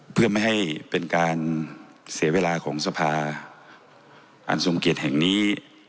เพื่อไม่ให้เป็นการเสียเวลาของสภาอันทรงเกียรติแห่งนี้